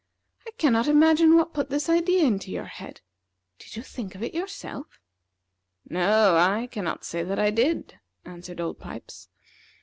I cannot imagine what put this idea into your head. Did you think of it yourself?" "No, I cannot say that I did," answered Old Pipes.